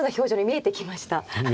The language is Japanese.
見えてきました？